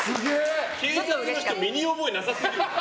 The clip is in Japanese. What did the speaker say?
警察の人、身に覚えなさすぎる。